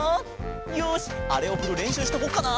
よしあれをふるれんしゅうしとこっかな。